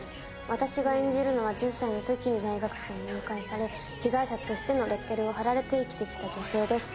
私が演じるのは１０歳の時に大学生に誘拐され被害者としてのレッテルを貼られて生きてきた女性です